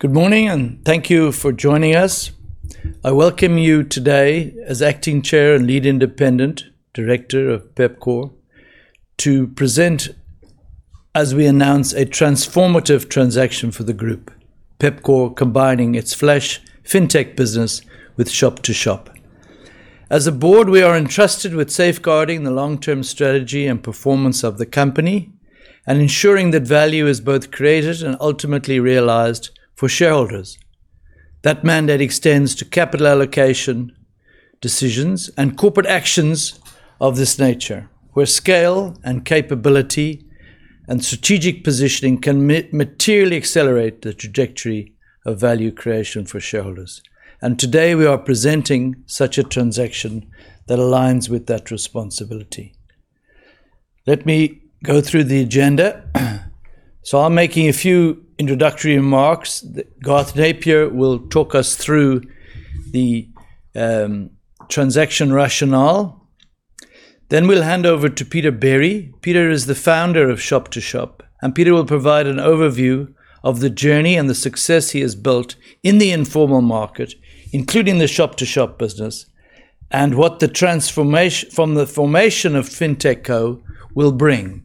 Good morning and thank you for joining us. I welcome you today as acting chair and lead independent director of Pepkor to present as we announce a transformative transaction for the group, Pepkor combining its Flash fintech business with Shop2Shop. As a board, we are entrusted with safeguarding the long-term strategy and performance of the company and ensuring that value is both created and ultimately realized for shareholders. That mandate extends to capital allocation decisions and corporate actions of this nature, where scale and capability and strategic positioning can materially accelerate the trajectory of value creation for shareholders. Today, we are presenting such a transaction that aligns with that responsibility. Let me go through the agenda. I am making a few introductory remarks. Garth Napier will talk us through the transaction rationale, then we will hand over to Peter Berry. Peter is the founder of Shop2Shop, Peter will provide an overview of the journey and the success he has built in the informal market, including the Shop2Shop business, and what the formation of FintechCo will bring.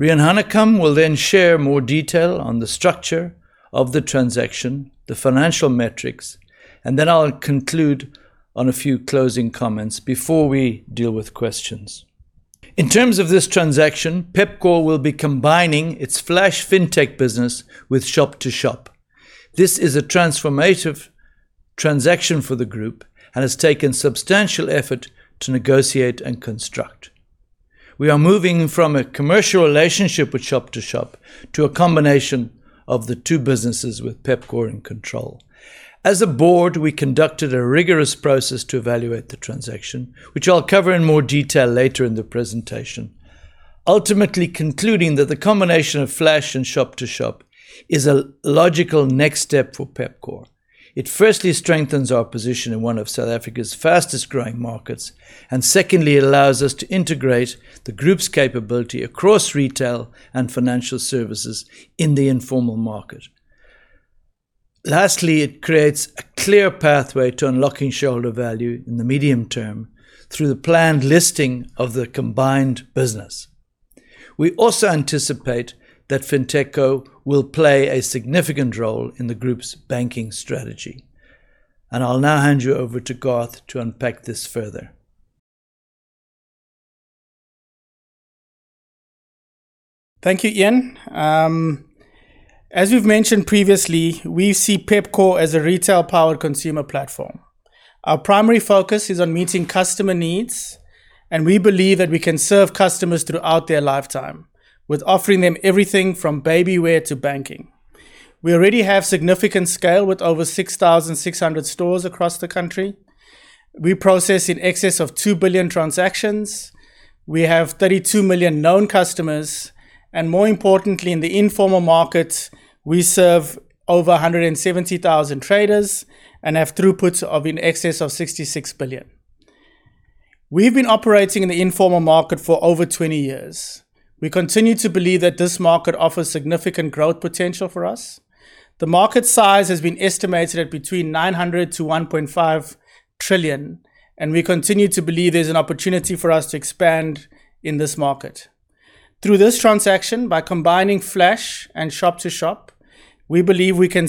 Riaan Hanekom will then share more detail on the structure of the transaction, the financial metrics, and I will conclude on a few closing comments before we deal with questions. In terms of this transaction, Pepkor will be combining its Flash fintech business with Shop2Shop. This is a transformative transaction for the group and has taken substantial effort to negotiate and construct. We are moving from a commercial relationship with Shop2Shop to a combination of the two businesses with Pepkor in control. As a board, we conducted a rigorous process to evaluate the transaction, which I will cover in more detail later in the presentation. Ultimately concluding that the combination of Flash and Shop2Shop is a logical next step for Pepkor. It firstly strengthens our position in one of South Africa's fastest-growing markets, and secondly, it allows us to integrate the group's capability across retail and financial services in the informal market. Lastly, it creates a clear pathway to unlocking shareholder value in the medium term through the planned listing of the combined business. We also anticipate that FintechCo will play a significant role in the group's banking strategy. I will now hand you over to Garth to unpack this further. Thank you, Ian. As we have mentioned previously, we see Pepkor as a retail-powered consumer platform. Our primary focus is on meeting customer needs, and we believe that we can serve customers throughout their lifetime with offering them everything from baby wear to banking. We already have significant scale with over 6,600 stores across the country. We process in excess of two billion transactions. We have 32 million known customers, and more importantly, in the informal market, we serve over 170,000 traders and have throughputs of in excess of 66 billion. We have been operating in the informal market for over 20 years. We continue to believe that this market offers significant growth potential for us. The market size has been estimated at between 900 billion-1.5 trillion, and we continue to believe there is an opportunity for us to expand in this market. Through this transaction, by combining Flash and Shop2Shop, we believe we can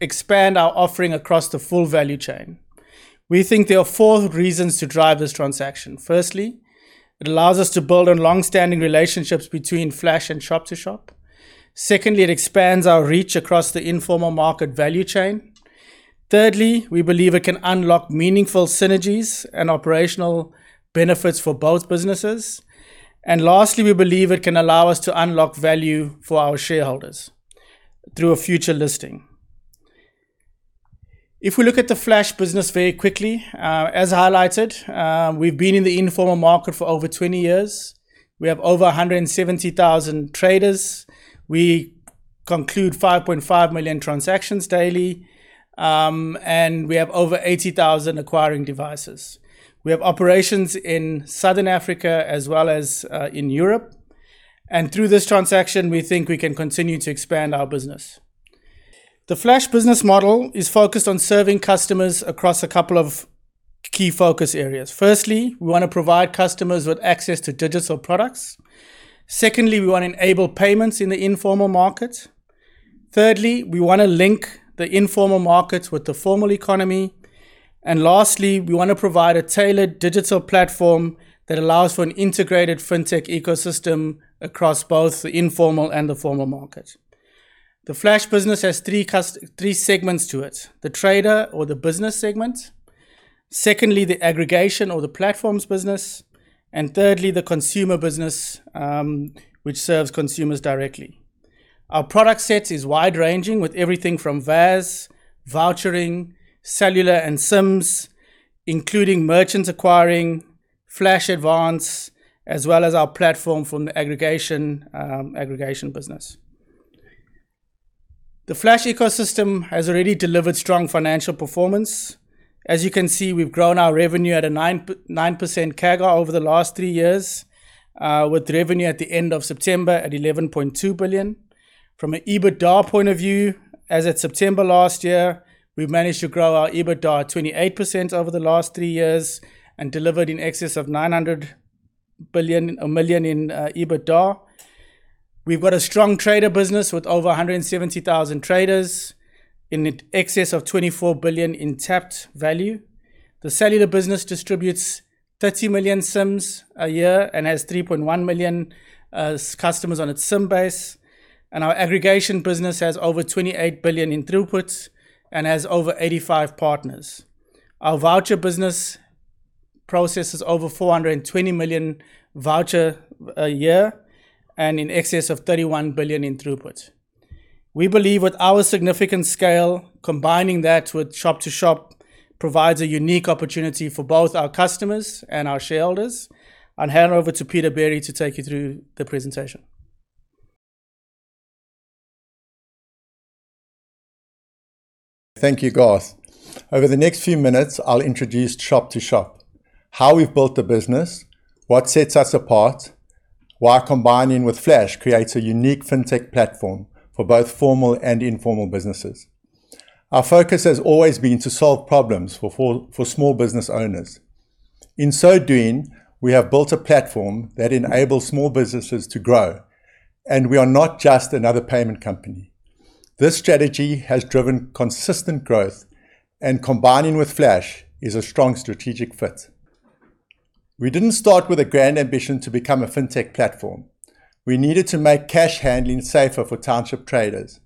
expand our offering across the full value chain. We think there are four reasons to drive this transaction. Firstly, it allows us to build on longstanding relationships between Flash and Shop2Shop. Secondly, it expands our reach across the informal market value chain. Thirdly, we believe it can unlock meaningful synergies and operational benefits for both businesses. Lastly, we believe it can allow us to unlock value for our shareholders through a future listing. If we look at the Flash business very quickly, as highlighted, we've been in the informal market for over 20 years. We have over 170,000 traders. We conclude 5.5 million transactions daily, and we have over 80,000 acquiring devices. We have operations in Southern Africa as well as in Europe. Through this transaction, we think we can continue to expand our business. The Flash business model is focused on serving customers across a couple of key focus areas. Firstly, we want to provide customers with access to digital products. Secondly, we want to enable payments in the informal market. Thirdly, we want to link the informal markets with the formal economy. Lastly, we want to provide a tailored digital platform that allows for an integrated FinTech ecosystem across both the informal and the formal market. The Flash business has three segments to it. The trader or the business segment. Secondly, the aggregation or the platforms business. Thirdly, the consumer business, which serves consumers directly. Our product sets is wide-ranging with everything from VAS, vouchering, cellular, and SIMs, including merchants acquiring, Flash Finance, as well as our platform from the aggregation business. The Flash ecosystem has already delivered strong financial performance. As you can see, we've grown our revenue at a 9% CAGR over the last three years, with revenue at the end of September at 11.2 billion. From an EBITDA point of view, as at September last year, we've managed to grow our EBITDA 28% over the last three years and delivered in excess of 900 million in EBITDA. We've got a strong trader business with over 170,000 traders in excess of 24 billion in TPV. The cellular business distributes 30 million SIMs a year and has 3.1 million customers on its SIM base, and our aggregation business has over 28 billion in throughputs and has over 85 partners. Our voucher business processes over 420 million voucher a year and in excess of 31 billion in throughput. We believe with our significant scale, combining that with Shop2Shop provides a unique opportunity for both our customers and our shareholders. I'll hand over to Peter Berry to take you through the presentation. Thank you, Garth. Over the next few minutes, I'll introduce Shop2Shop, how we've built the business, what sets us apart, why combining with Flash creates a unique FintechCo platform for both formal and informal businesses. Our focus has always been to solve problems for small business owners. In so doing, we have built a platform that enables small businesses to grow, and we are not just another payment company. This strategy has driven consistent growth, and combining with Flash is a strong strategic fit. We didn't start with a grand ambition to become a FintechCo platform. We needed to make cash handling safer for township traders.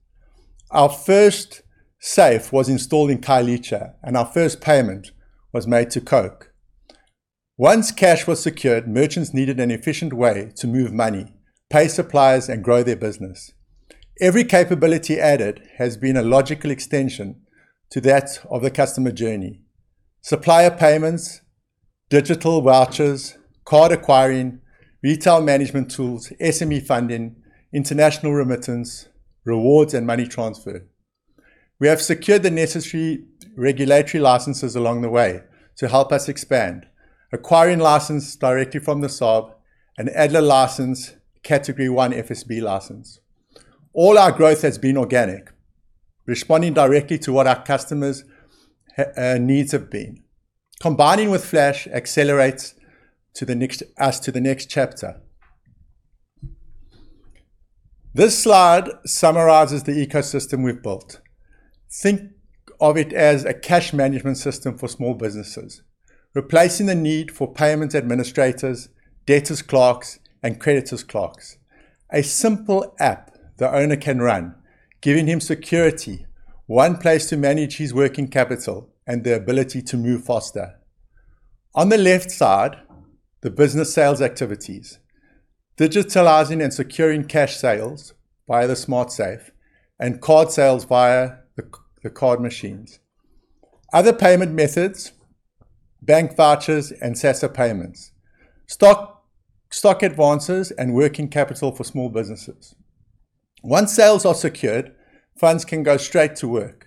Our first safe was installed in Khayelitsha, and our first payment was made to Coke. Once cash was secured, merchants needed an efficient way to move money, pay suppliers, and grow their business. Every capability added has been a logical extension to that of the customer journey. Supplier payments, digital vouchers, card acquiring, retail management tools, SME funding, international remittance, rewards, and money transfer. We have secured the necessary regulatory licenses along the way to help us expand. Acquiring license directly from the SARB, an ADLA license, Category 1 FSB license. All our growth has been organic, responding directly to what our customers' needs have been. Combining with Flash accelerates us to the next chapter. This slide summarizes the ecosystem we've built. Think of it as a cash management system for small businesses, replacing the need for payment administrators, debtors' clerks, and creditors' clerks. A simple app the owner can run, giving him security, one place to manage his working capital, and the ability to move faster. On the left side, the business sales activities. Digitalizing and securing cash sales via the Smart Safe and card sales via the card machines. Other payment methods, bank vouchers, and SASSA payments. Stock advances and working capital for small businesses. Once sales are secured, funds can go straight to work.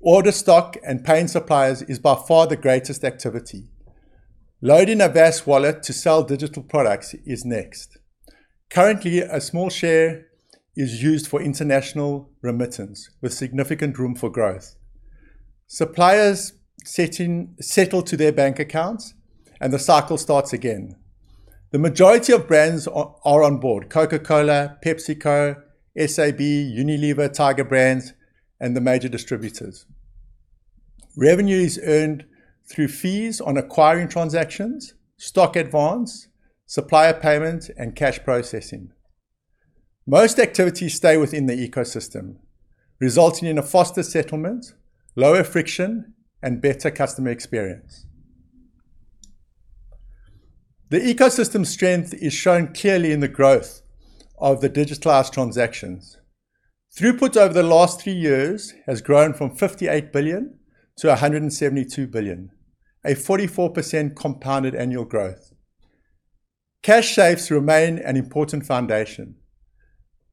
Order stock and paying suppliers is by far the greatest activity. Loading a VAS wallet to sell digital products is next. Currently, a small share is used for international remittance with significant room for growth. Suppliers settle to their bank accounts, and the cycle starts again. The majority of brands are on board: Coca-Cola, PepsiCo, SAB, Unilever, Tiger Brands, and the major distributors. Revenue is earned through fees on acquiring transactions, stock advance, supplier payment, and cash processing. Most activities stay within the ecosystem, resulting in a faster settlement, lower friction, and better customer experience. The ecosystem's strength is shown clearly in the growth of the digitalized transactions. Throughput over the last three years has grown from 58 billion-172 billion, a 44% compounded annual growth. Cash safes remain an important foundation.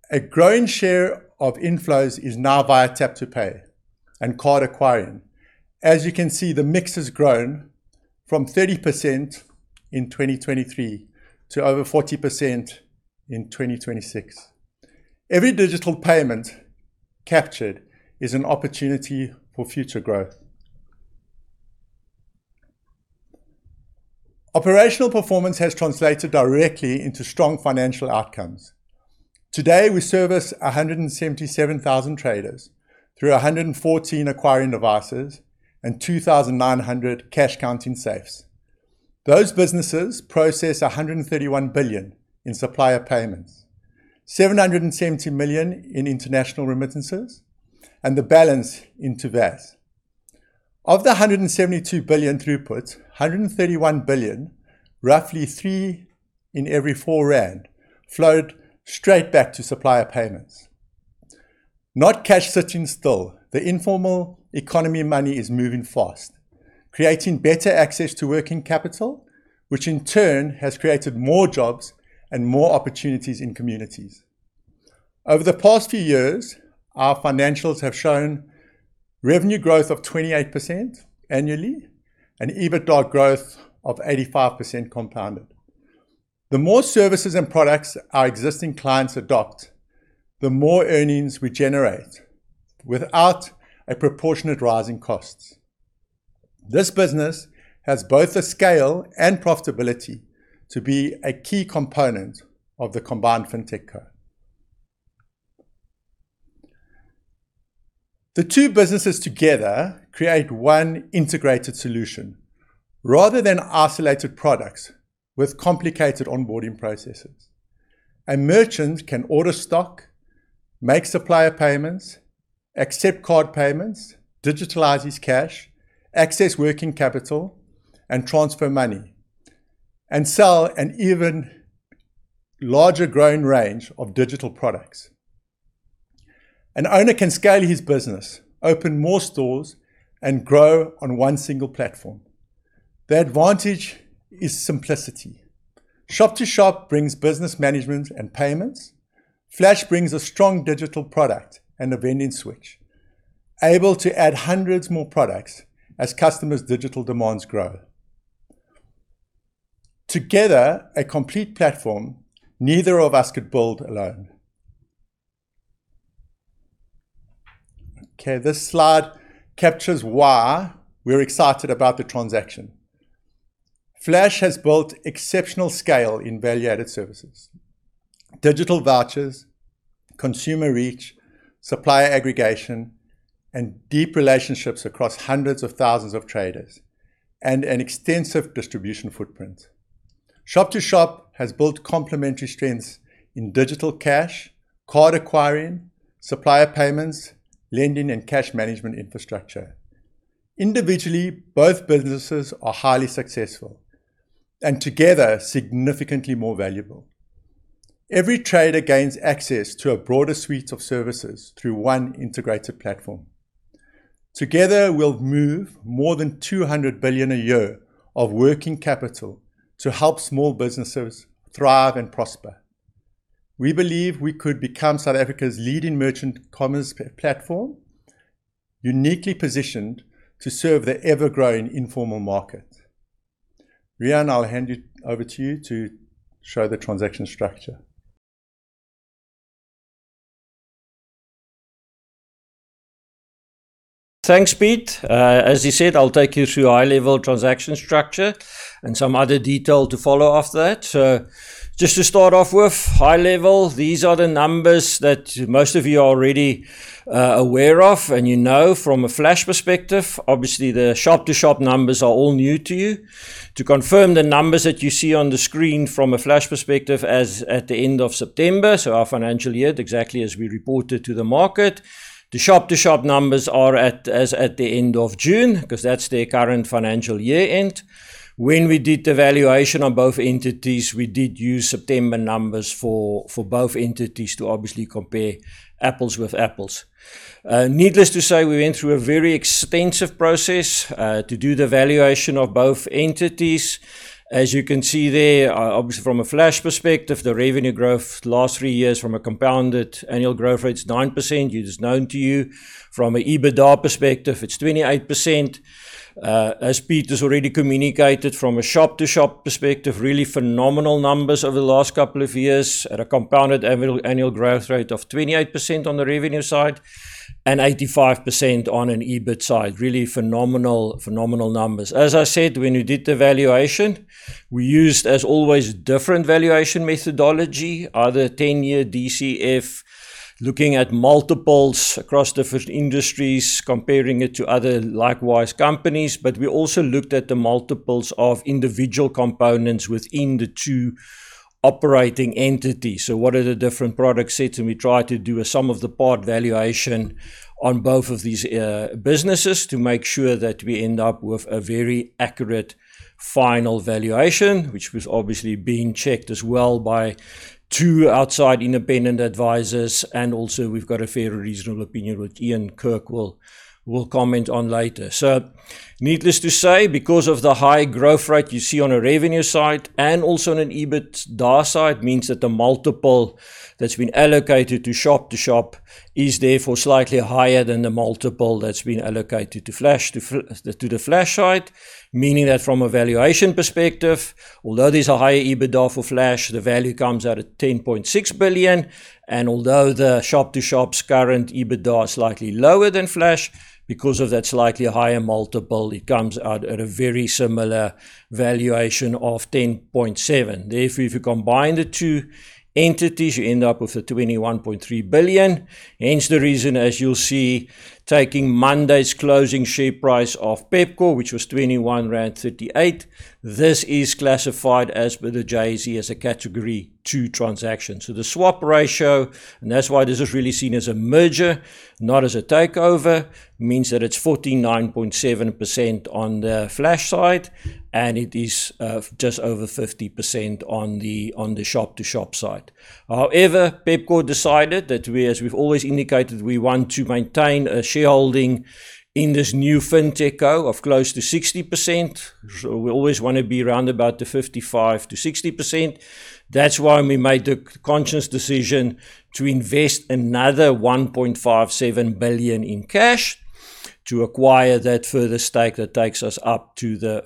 A growing share of inflows is now via tap-to-pay and card acquiring. As you can see, the mix has grown from 30% in 2023 to over 40% in 2026. Every digital payment captured is an opportunity for future growth. Operational performance has translated directly into strong financial outcomes. Today, we service 177,000 traders through 114,000 acquiring devices and 2,900 cash counting safes. Those businesses process 131 billion in supplier payments, 770 million in international remittances, and the balance into VAS. Of the 172 billion throughput, 131 billion, roughly 3 in every 4 rand, flowed straight back to supplier payments. Not cash sitting still. The informal economy money is moving fast, creating better access to working capital, which in turn has created more jobs and more opportunities in communities. Over the past few years, our financials have shown revenue growth of 28% annually and EBITDA growth of 85% compounded. The more services and products our existing clients adopt, the more earnings we generate without a proportionate rise in costs. This business has both the scale and profitability to be a key component of the combined FintechCo. The two businesses together create one integrated solution rather than isolated products with complicated onboarding processes. A merchant can order stock, make supplier payments, accept card payments, digitalize his cash, access working capital, and transfer money, and sell an even larger growing range of digital products. An owner can scale his business, open more stores, and grow on one single platform. The advantage is simplicity. Shop2Shop brings business management and payments. Flash brings a strong digital product and a vending switch, able to add hundreds more products as customers' digital demands grow. Together, a complete platform neither of us could build alone. Okay. This slide captures why we're excited about the transaction. Flash has built exceptional scale in Value-Added Services, digital vouchers, consumer reach, supplier aggregation, and deep relationships across hundreds of thousands of traders, and an extensive distribution footprint. Shop2Shop has built complementary strengths in digital cash, card acquiring, supplier payments, lending, and cash management infrastructure. Individually, both businesses are highly successful, and together, significantly more valuable. Every trader gains access to a broader suite of services through one integrated platform. Together, we'll move more than 200 billion a year of working capital to help small businesses thrive and prosper. We believe we could become South Africa's leading merchant commerce platform, uniquely positioned to serve the ever-growing informal market. Riaan, I'll hand it over to you to show the transaction structure. Thanks, Pete. As he said, I'll take you through the high-level transaction structure and some other detail to follow after that. Just to start off with high level, these are the numbers that most of you are already aware of and you know from a Flash perspective. Obviously, the Shop2Shop numbers are all new to you. To confirm the numbers that you see on the screen from a Flash perspective as at the end of September, so our financial year, exactly as we reported to the market. The Shop2Shop numbers are as at the end of June, because that's their current financial year-end. When we did the valuation on both entities, we did use September numbers for both entities to obviously compare apples with apples. Needless to say, we went through a very extensive process to do the valuation of both entities. As you can see there, obviously from a Flash perspective, the revenue growth last three years from a compounded annual growth rate is 9%. It is known to you. From an EBITDA perspective, it's 28%. As Pete has already communicated, from a Shop2Shop perspective, really phenomenal numbers over the last couple of years at a compounded annual growth rate of 28% on the revenue side and 85% on an EBITDA side. Really phenomenal numbers. As I said, when we did the valuation, we used, as always, different valuation methodology, either 10-year DCF, looking at multiples across different industries, comparing it to other likewise companies, but we also looked at the multiples of individual components within the two operating entities. What are the different product sets, we tried to do a sum of the part valuation on both of these businesses to make sure that we end up with a very accurate final valuation, which was obviously being checked as well by two outside independent advisors. Also we've got a fair reasonable opinion with Ian Kirk we'll comment on later. Needless to say, because of the high growth rate you see on a revenue side and also on an EBITDA side, means that the multiple that's been allocated to Shop2Shop is therefore slightly higher than the multiple that's been allocated to the Flash side. Meaning that from a valuation perspective, although there's a higher EBITDA for Flash, the value comes out at 10.6 billion, and although the Shop2Shop's current EBITDA is slightly lower than Flash, because of that slightly higher multiple, it comes out at a very similar valuation of 10.7 billion. Therefore, if you combine the two entities, you end up with 21.3 billion. Hence the reason, as you'll see, taking Monday's closing share price of Pepkor, which was 21.38, this is classified as, by the JSE, as a Category 2 transaction. The swap ratio, and that's why this is really seen as a merger, not as a takeover, means that it's 49.7% on the Flash side and it is just over 50% on the Shop2Shop side. However, Pepkor decided that we, as we've always indicated, we want to maintain a shareholding in this new FintechCo of close to 60%. We always want to be around about the 55%-60%. That's why we made the conscious decision to invest another 1.57 billion in cash. To acquire that further stake that takes us up to the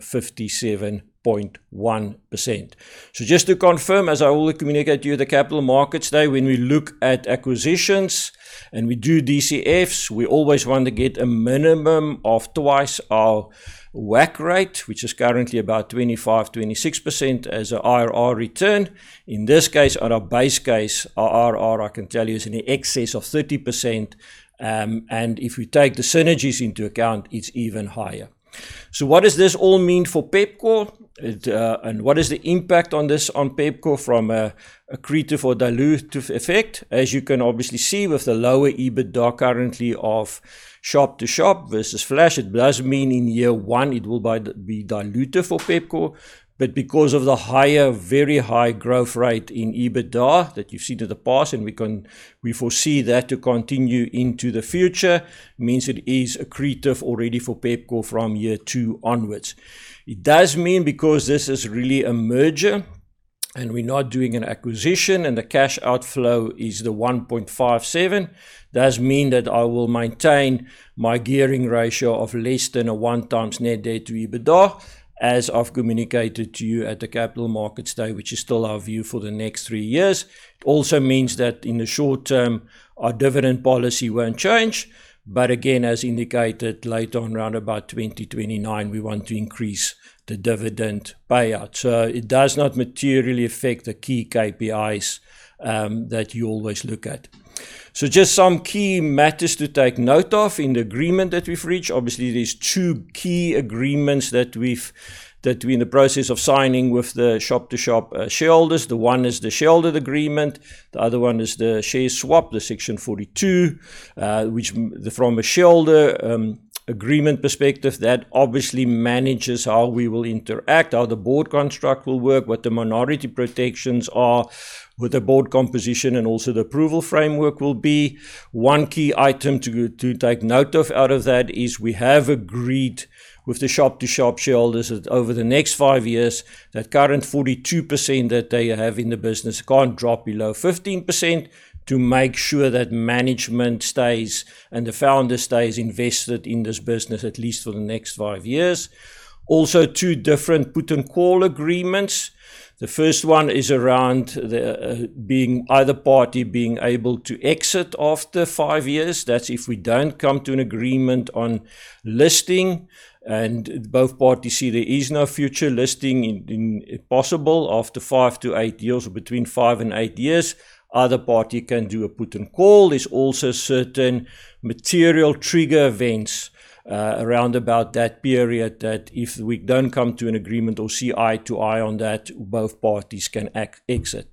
57.1%. Just to confirm, as I already communicated to you at the capital markets day, when we look at acquisitions and we do DCFs, we always want to get a minimum of twice our WACC rate, which is currently about 25%-26% as an IRR return. In this case, on our base case, our IRR, I can tell you, is in excess of 30%, and if we take the synergies into account, it's even higher. What does this all mean for Pepkor? What is the impact of this on Pepkor from an accretive or dilutive effect? As you can obviously see with the lower EBITDA currently of Shop2Shop versus Flash, it does mean in year one it will be dilutive for Pepkor. But because of the very high growth rate in EBITDA that you've seen in the past and we foresee that to continue into the future, means it is accretive already for Pepkor from year two onwards. It does mean because this is really a merger and we're not doing an acquisition and the cash outflow is 1.57, does mean that I will maintain my gearing ratio of less than a 1x net debt to EBITDA, as I've communicated to you at the capital markets day, which is still our view for the next three years. It also means that in the short term, our dividend policy won't change. But again, as indicated later on, around 2029, we want to increase the dividend payout. It does not materially affect the key KPIs that you always look at. Just some key matters to take note of in the agreement that we've reached. Obviously, there's two key agreements that we're in the process of signing with the Shop2Shop shareholders. The one is the shareholder agreement, the other one is the share swap, the Section 42. Which from a shareholder agreement perspective, that obviously manages how we will interact, how the board construct will work, what the minority protections are with the board composition and also the approval framework will be. One key item to take note of out of that is we have agreed with the Shop2Shop shareholders that over the next five years, that current 42% that they have in the business can't drop below 15% to make sure that management stays and the founder stays invested in this business at least for the next five years. Also, two different put and call agreements. The first one is around either party being able to exit after five years. That's if we don't come to an agreement on listing and both parties see there is no future listing possible after five to eight years, or between five and eight years, either party can do a put and call. There's also certain material trigger events around that period that if we don't come to an agreement or see eye to eye on that, both parties can exit.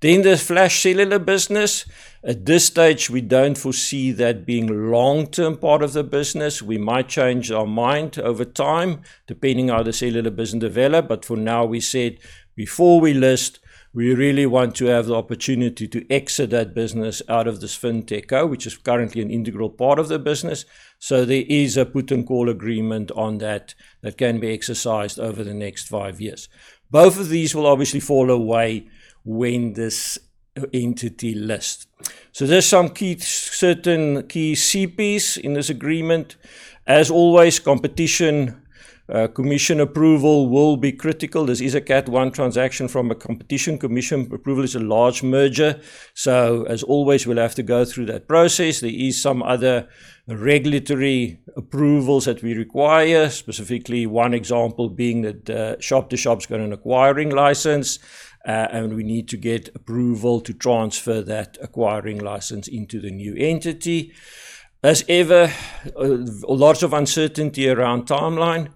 The Flash Cellular business. At this stage, we don't foresee that being a long-term part of the business. We might change our mind over time, depending how the cellular business develop. But for now, we said before we list, we really want to have the opportunity to exit that business out of this FintechCo, which is currently an integral part of the business. There is a put and call agreement on that that can be exercised over the next five years. Both of these will obviously fall away when this entity lists. There's some certain key CPs in this agreement. As always, Competition Commission approval will be critical. This is a Cat 1 transaction from a Competition Commission approval. It's a large merger, as always, we'll have to go through that process. There is some other regulatory approvals that we require, specifically one example being that Shop2Shop's got an acquiring license, and we need to get approval to transfer that acquiring license into the new entity. As ever, lots of uncertainty around timeline.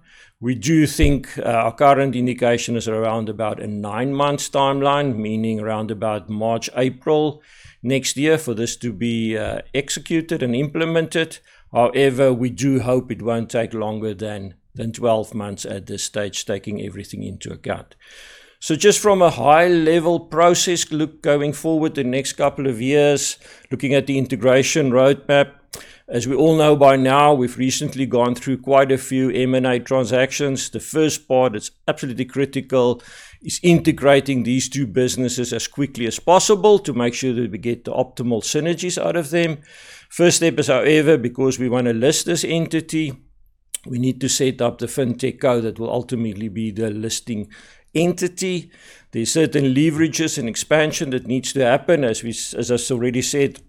We do think our current indication is around about a nine-month timeline, meaning around about March, April next year for this to be executed and implemented. However, we do hope it won't take longer than 12 months at this stage, taking everything into account. Just from a high-level process look going forward the next couple of years, looking at the integration roadmap. As we all know by now, we've recently gone through quite a few M&A transactions. The first part that's absolutely critical is integrating these two businesses as quickly as possible to make sure that we get the optimal synergies out of them. First step is, however, because we want to list this entity, we need to set up the FintechCo that will ultimately be the listing entity. There's certain leverages and expansion that needs to happen. As I already said,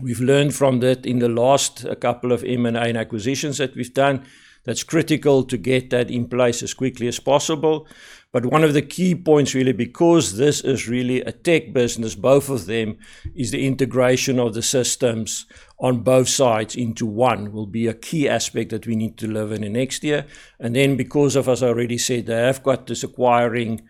we've learned from that in the last couple of M&A and acquisitions that we've done. That's critical to get that in place as quickly as possible. But one of the key points really, because this is really a tech business, both of them, is the integration of the systems on both sides into one will be a key aspect that we need to deliver in the next year. Because of, as I already said, they have got this acquiring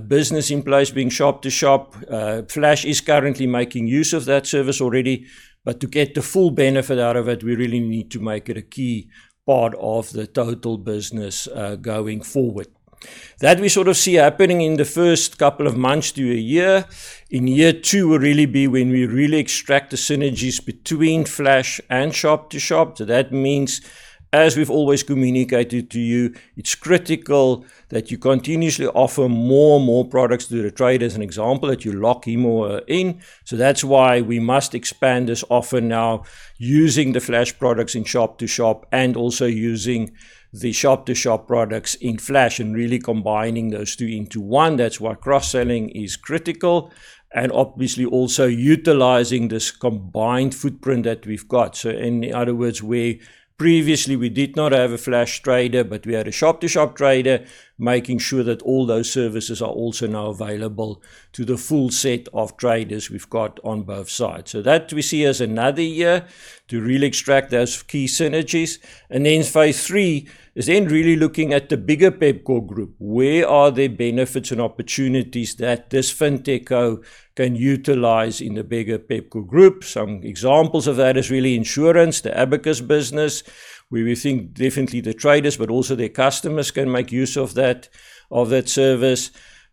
business in place, being Shop2Shop. Flash is currently making use of that service already. But to get the full benefit out of it, we really need to make it a key part of the total business going forward. That we sort of see happening in the first couple of months to a year. In year two will really be when we really extract the synergies between Flash and Shop2Shop. As we've always communicated to you, it's critical that you continuously offer more and more products to the trader as an example, that you lock him in. That's why we must expand this offer now using the Flash products in Shop2Shop and also using the Shop2Shop products in Flash and really combining those two into one. Cross-selling is critical and obviously also utilizing this combined footprint that we've got. In other words, where previously we did not have a Flash trader, but we had a Shop2Shop trader, making sure that all those services are also now available to the full set of traders we've got on both sides. That we see as another year to really extract those key synergies. Phase III is then really looking at the bigger Pepkor group. Where are there benefits and opportunities that this FintechCo can utilize in the bigger Pepkor group? Some examples of that is really insurance, the Abacus business, where we think definitely the traders, but also their customers can make use of that service.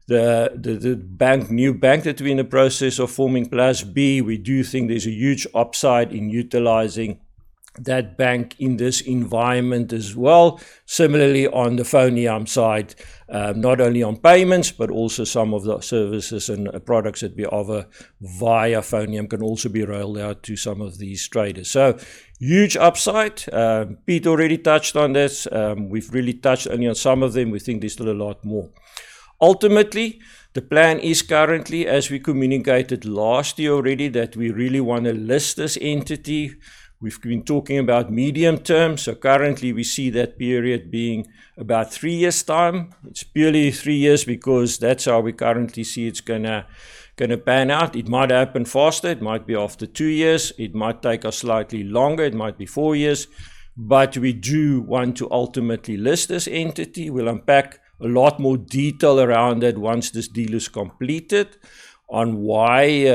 The new bank that we're in the process of forming, plusb, we do think there's a huge upside in utilizing that bank in this environment as well. Similarly, on the FoneYam side, not only on payments, but also some of the services and products that we offer via FoneYam can also be rolled out to some of these traders. Huge upside. Pete already touched on this. We've really touched only on some of them. We think there's still a lot more. Ultimately, the plan is currently, as we communicated last year already, that we really want to list this entity. We've been talking about medium term. Currently, we see that period being about three years' time. It's purely three years because that's how we currently see it's going to pan out. It might happen faster. It might be after two years. It might take us slightly longer. It might be four years. We do want to ultimately list this entity. We'll unpack a lot more detail around it once this deal is completed on why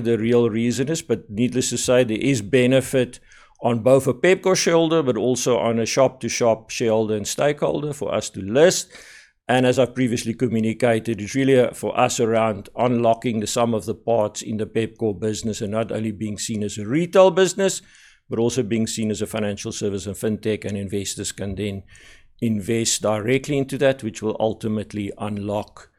the real reason is. Needless to say, there is benefit on both a Pepkor shareholder, but also on a Shop2Shop shareholder and stakeholder for us to list. As I previously communicated, it's really for us around unlocking the sum of the parts in the Pepkor business and not only being seen as a retail business, but also being seen as a financial service and fintech, and investors can then invest directly into that, which will ultimately unlock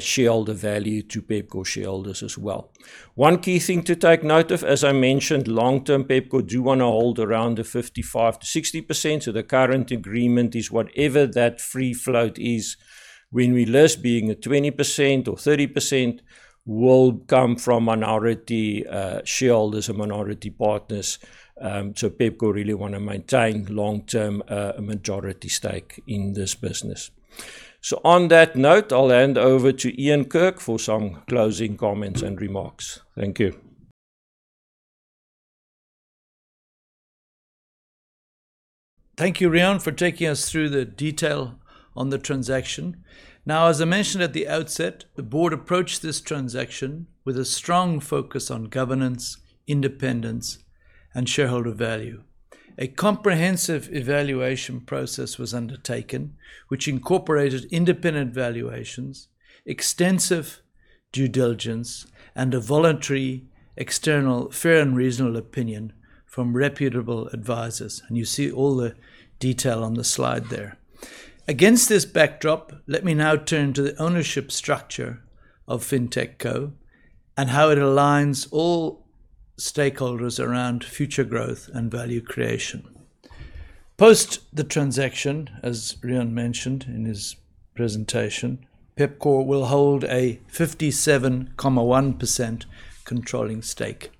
shareholder value to Pepkor shareholders as well. One key thing to take note of, as I mentioned, long term, Pepkor do want to hold around 55%-60%. The current agreement is whatever that free float is when we list, being a 20% or 30%, will come from minority shareholders and minority partners. Pepkor really want to maintain long-term majority stake in this business. On that note, I'll hand over to Ian Kirk for some closing comments and remarks. Thank you. Thank you, Riaan, for taking us through the detail on the transaction. Now, as I mentioned at the outset, the board approached this transaction with a strong focus on governance, independence, and shareholder value. A comprehensive evaluation process was undertaken, which incorporated independent valuations, extensive due diligence, and a voluntary, external, fair and reasonable opinion from reputable advisors. You see all the detail on the slide there. Against this backdrop, let me now turn to the ownership structure of FintechCo and how it aligns all stakeholders around future growth and value creation. Post the transaction, as Riaan mentioned in his presentation, Pepkor will hold a 57.1% controlling stake,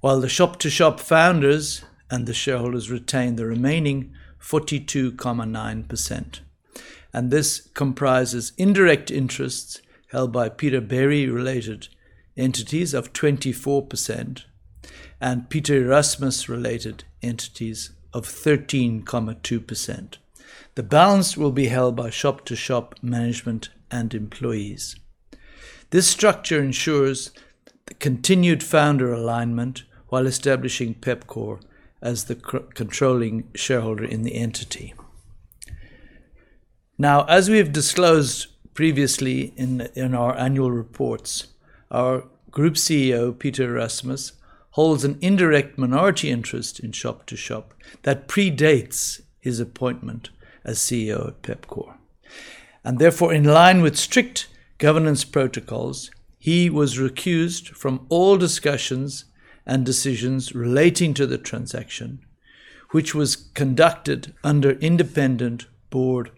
while the Shop2Shop founders and the shareholders retain the remaining 42.9%. This comprises indirect interests held by Peter Berry-related entities of 24% and Pieter Erasmus-related entities of 13.2%. The balance will be held by Shop2Shop management and employees. This structure ensures the continued founder alignment while establishing Pepkor as the controlling shareholder in the entity. Now, as we have disclosed previously in our annual reports, our group Chief Executive Officer, Pieter Erasmus, holds an indirect minority interest in Shop2Shop that predates his appointment as Chief Executive Officer of Pepkor. Therefore, in line with strict governance protocols, he was recused from all discussions and decisions relating to the transaction, which was conducted under independent board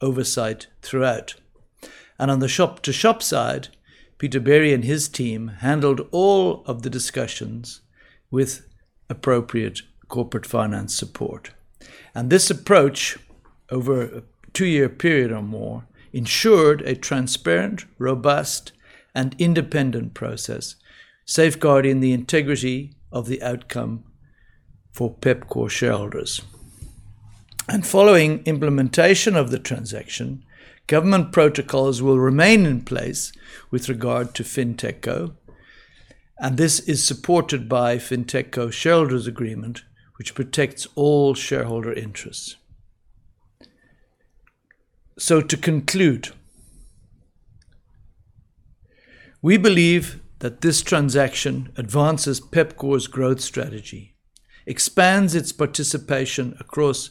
oversight throughout. On the Shop2Shop side, Peter Berry and his team handled all of the discussions with appropriate corporate finance support. This approach, over a two year period or more, ensured a transparent, robust and independent process, safeguarding the integrity of the outcome for Pepkor shareholders. Following implementation of the transaction, government protocols will remain in place with regard to FintechCo, and this is supported by FintechCo shareholders agreement, which protects all shareholder interests. To conclude, we believe that this transaction advances Pepkor's growth strategy, expands its participation across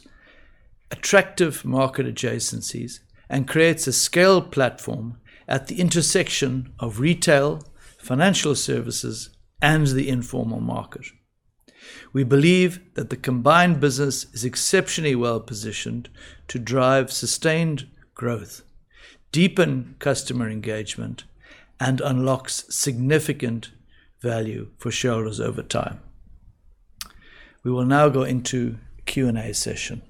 attractive market adjacencies, and creates a scale platform at the intersection of retail, financial services, and the informal market. We believe that the combined business is exceptionally well-positioned to drive sustained growth, deepen customer engagement, and unlocks significant value for shareholders over time. We will now go into Q&A session.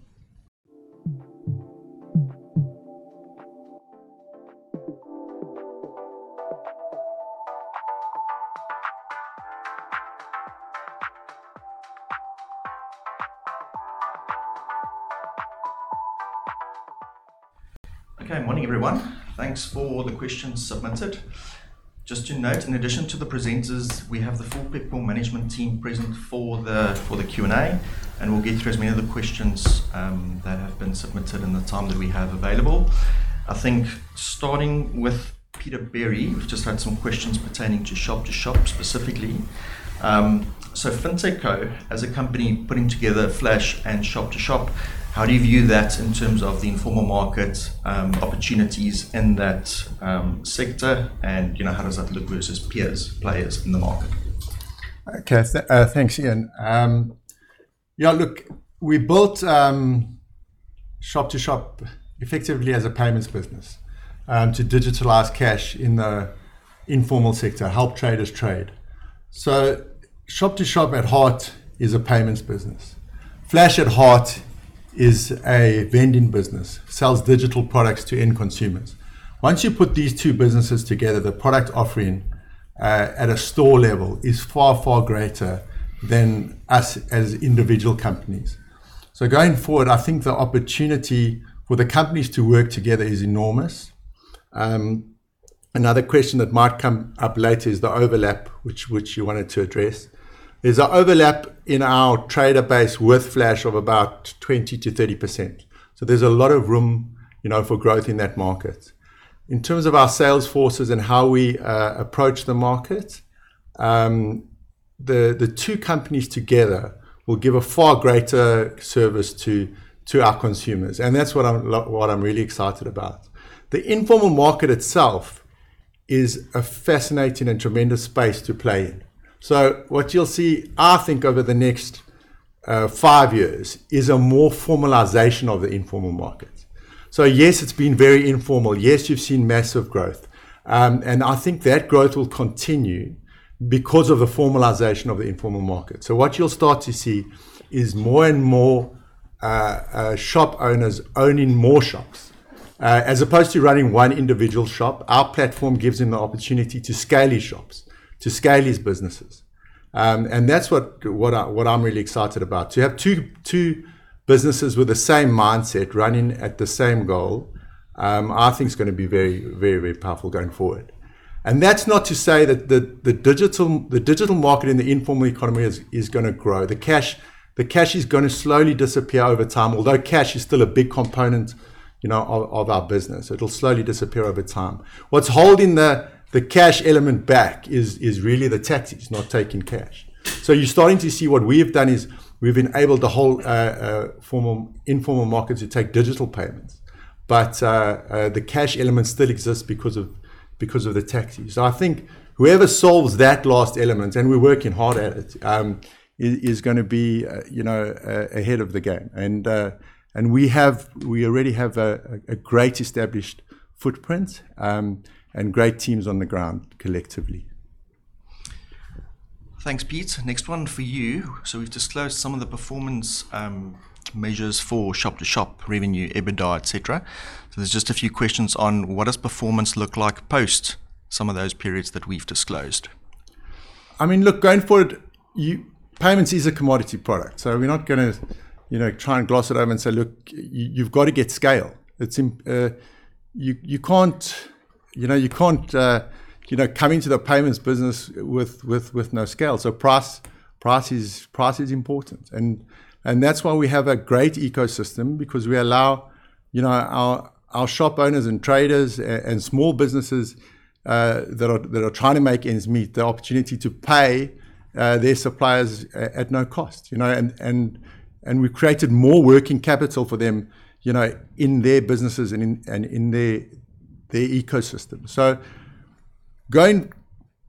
Okay. Morning, everyone. Thanks for all the questions submitted. Just to note, in addition to the presenters, we have the full Pepkor management team present for the Q&A, and we'll get through as many of the questions that have been submitted in the time that we have available. I think starting with Peter Berry, we've just had some questions pertaining to Shop2Shop specifically. FintechCo, as a company putting together Flash and Shop2Shop, how do you view that in terms of the informal market, opportunities in that sector and how does that look versus peers, players in the market? Okay. Thanks. Yeah, look, we built Shop2Shop effectively as a payments business to digitalize cash in the informal sector, help traders trade. Shop2Shop at heart is a payments business. Flash at heart is a vending business, sells digital products to end consumers. Once you put these two businesses together, the product offering at a store level is far, far greater than us as individual companies. Going forward, I think the opportunity for the companies to work together is enormous. Another question that might come up later is the overlap, which you wanted to address. There's an overlap in our trader base with Flash of about 20%-30%. There's a lot of room for growth in that market. In terms of our sales forces and how we approach the market, the two companies together will give a far greater service to our consumers, and that's what I'm really excited about. The informal market itself is a fascinating and tremendous space to play in. What you'll see, I think over the next five years is a more formalization of the informal market. Yes, it's been very informal. Yes, you've seen massive growth. I think that growth will continue because of the formalization of the informal market. What you'll start to see is more and more shop owners owning more shops. As opposed to running one individual shop, our platform gives him the opportunity to scale his shops, to scale his businesses. That's what I'm really excited about. To have two businesses with the same mindset running at the same goal, I think is going to be very, very powerful going forward. That's not to say that the digital market in the informal economy is going to grow. The cash is going to slowly disappear over time. Although cash is still a big component of our business, it'll slowly disappear over time. What's holding the cash element back is really the taxis not taking cash. You're starting to see what we have done is we've enabled the whole informal market to take digital payments. The cash element still exists because of the taxis. I think whoever solves that last element, and we're working hard at it, is going to be ahead of the game. We already have a great established footprint, and great teams on the ground collectively. Thanks, Peter. Next one for you. We've disclosed some of the performance measures for Shop2Shop revenue, EBITDA, et cetera. There's just a few questions on what does performance look like post some of those periods that we've disclosed. Look, going forward, payments is a commodity product. We're not going to try and gloss it over and say, look, you've got to get scale. You can't come into the payments business with no scale. Price is important and that's why we have a great ecosystem because we allow our shop owners and traders and small businesses that are trying to make ends meet the opportunity to pay their suppliers at no cost. We created more working capital for them in their businesses and in their ecosystem.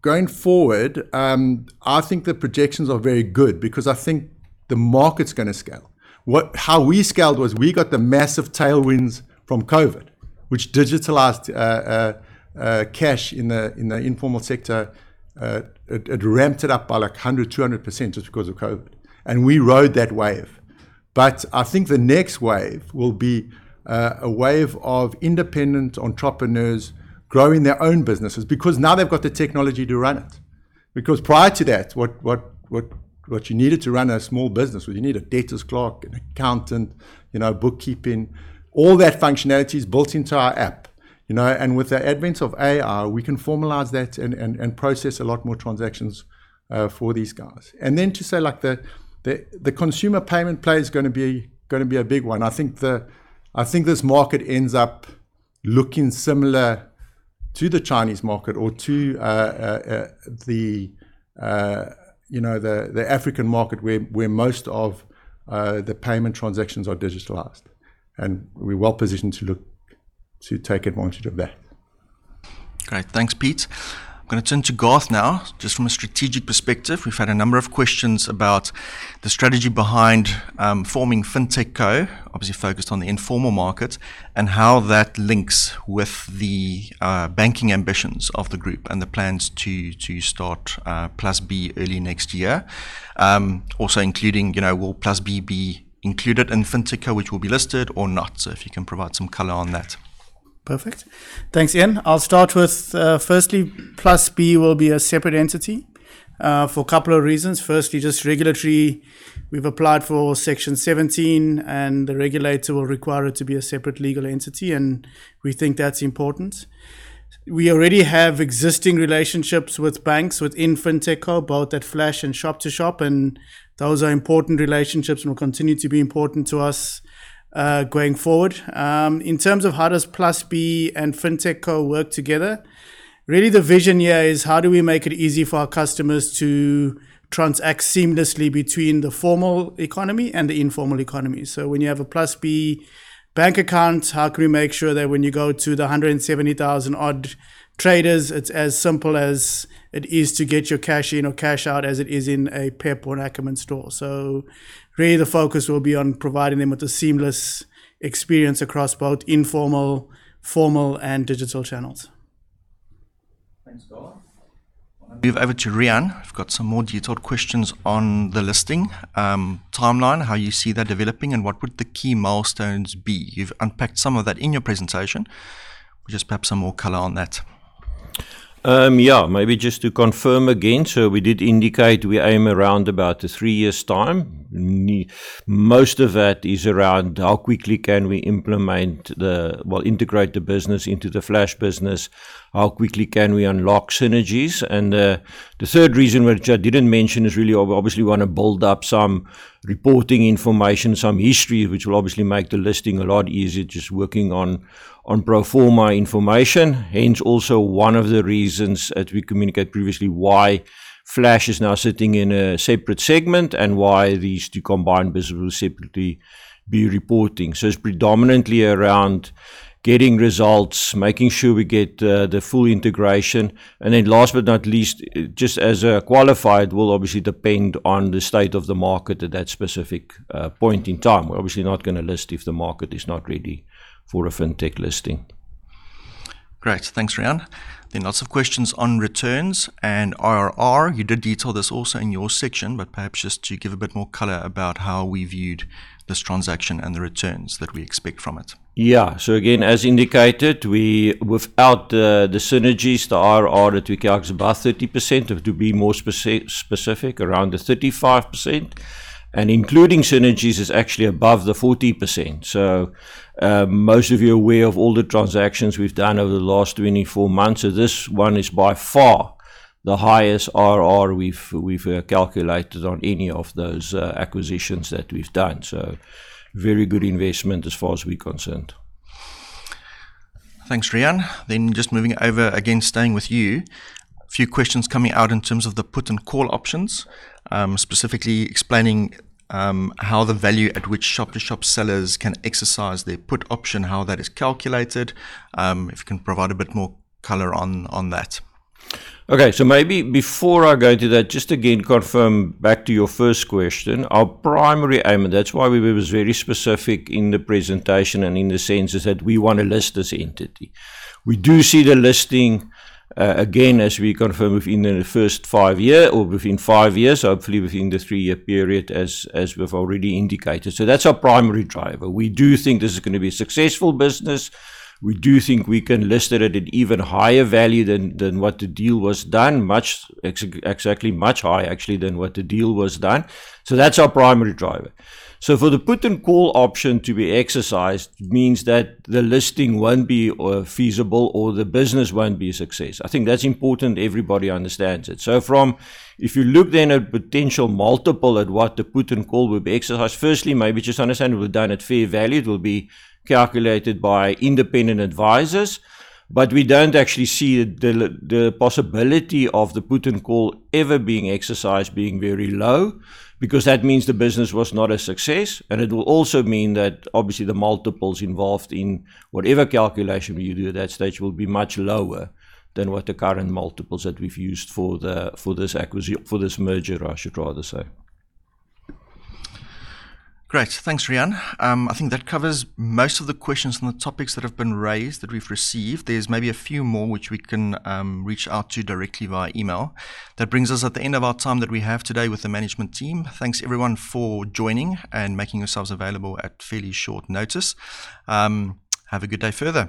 Going forward, I think the projections are very good because I think the market's going to scale. How we scaled was we got the massive tailwinds from COVID, which digitalized cash in the informal sector. It ramped it up by 100%-200% just because of COVID, and we rode that wave. I think the next wave will be a wave of independent entrepreneurs growing their own businesses because now they've got the technology to run it. Prior to that, what you needed to run a small business was you need a debtors clerk, an accountant, bookkeeping. All that functionality is built into our app. With the advent of AI, we can formalize that and process a lot more transactions for these guys. Then to say the consumer payment play is going to be a big one. I think this market ends up looking similar to the Chinese market or to the African market where most of the payment transactions are digitalized, and we're well-positioned to take advantage of that. Great. Thanks, Peter. I'm going to turn to Garth now. Just from a strategic perspective, we've had a number of questions about the strategy behind forming FintechCo, obviously focused on the informal market, and how that links with the banking ambitions of the group and the plans to start plusb early next year. Also including, will plusb be included in FintechCo, which will be listed or not? If you can provide some color on that. Perfect. Thanks, Ian. I'll start with, firstly, plusb will be a separate entity for a couple of reasons. Firstly, just regulatory, we've applied for Section 17, the regulator will require it to be a separate legal entity, we think that's important. We already have existing relationships with banks, within FintechCo, both at Flash and Shop2Shop, those are important relationships and will continue to be important to us, going forward. In terms of how does plusb and FintechCo work together, really the vision here is how do we make it easy for our customers to transact seamlessly between the formal economy and the informal economy. When you have a plusb bank account, how can we make sure that when you go to the 170,000 odd traders, it's as simple as it is to get your cash in or cash out as it is in a PEP or Ackermans store. Really the focus will be on providing them with a seamless experience across both informal, formal, and digital channels. Thanks, Garth. I'll hand over to Riaan. We've got some more detailed questions on the listing timeline, how you see that developing, and what would the key milestones be. You've unpacked some of that in your presentation. Just perhaps some more color on that. Yeah. Maybe just to confirm again, we did indicate we aim around about three years' time. Most of that is around how quickly can we integrate the business into the Flash business, how quickly can we unlock synergies, the third reason which I didn't mention is really obviously we want to build up some reporting information, some history, which will obviously make the listing a lot easier, just working on pro forma information. Hence, also one of the reasons as we communicate previously why Flash is now sitting in a separate segment and why these two combined business will separately be reporting. It's predominantly around getting results, making sure we get the full integration, and then last but not least, just as a qualifier will obviously depend on the state of the market at that specific point in time. We're obviously not going to list if the market is not ready for a fintech listing. Great. Thanks, Riaan. Lots of questions on returns and IRR. You did detail this also in your section, perhaps just to give a bit more color about how we viewed this transaction and the returns that we expect from it. Again, as indicated, without the synergies, the IRR that we calculate is above 30%, or to be more specific, around the 35%. Including synergies is actually above the 40%. Most of you are aware of all the transactions we've done over the last 24 months. This one is by far the highest IRR we've calculated on any of those acquisitions that we've done. Very good investment as far as we're concerned. Thanks, Riaan. Just moving over, again, staying with you, a few questions coming out in terms of the put and call options, specifically explaining how the value at which Shop2Shop sellers can exercise their put option, how that is calculated. If you can provide a bit more color on that. Maybe before I go into that, just again confirm back to your first question. Our primary aim, and that's why we were very specific in the presentation and in the sense is that we want to list this entity. We do see the listing, again, as we confirm within the first five year or within five years, hopefully within the three-year period as we've already indicated. That's our primary driver. We do think this is going to be a successful business. We do think we can list it at an even higher value than what the deal was done, exactly much higher actually than what the deal was done. That's our primary driver. For the put and call option to be exercised means that the listing won't be feasible or the business won't be a success. I think that's important everybody understands it. From, if you look at potential multiple at what the put and call will be exercised, firstly, maybe just understand we've done it fair value. It will be calculated by independent advisors. We don't actually see the possibility of the put and call ever being exercised being very low, because that means the business was not a success. It will also mean that obviously the multiples involved in whatever calculation you do at that stage will be much lower than what the current multiples that we've used for this merger, I should rather say. Great. Thanks, Riaan. I think that covers most of the questions and the topics that have been raised that we've received. There's maybe a few more which we can reach out to directly via email. That brings us at the end of our time that we have today with the management team. Thanks everyone for joining and making yourselves available at fairly short notice. Have a good day further